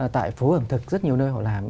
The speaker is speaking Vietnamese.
tại phố ẩm thực rất nhiều nơi họ làm